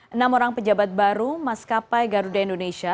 enam orang pejabat baru mas kapai garuda indonesia